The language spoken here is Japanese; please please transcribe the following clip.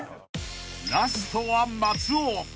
［ラストは松尾］